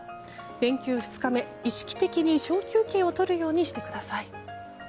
連休２日目、意識的に小休憩をとるようにしてください。